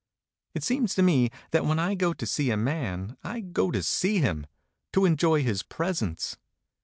It seems to me that when I go to see a man, I go to see him to enjoy his presence.